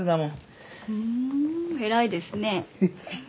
ふん偉いですね。